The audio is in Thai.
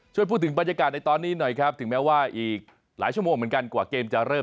ช่วยพูดถึงบรรยากาศในตอนนี้หน่อยครับถึงแม้ว่าอีกหลายชั่วโมงเหมือนกันกว่าเกมจะเริ่ม